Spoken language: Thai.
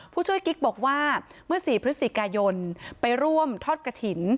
ผู้ช่วยกิ๊กบอกว่าเมื่อ๔พฤศจิกายนไปร่วมทอดกระถิ่น